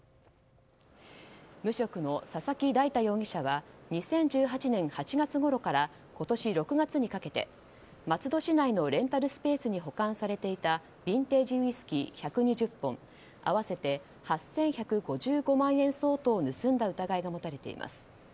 無職の佐々木大太容疑者は２０１８年８月ごろから今年６月にかけて松戸市内のレンタルスペースに保管されていたビンテージウイスキー１２０本合わせて８１５５万円相当を盗んだ疑いが持たれています。